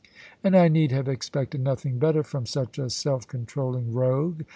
And I need have expected nothing better from such a self controlling rogue.